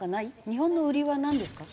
日本の売りはなんですか？